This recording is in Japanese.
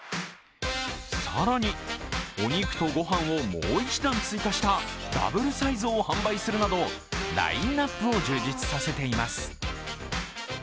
更に、お肉と御飯をもう１段追加したダブルサイズを販売するなどラインナップを充実させています。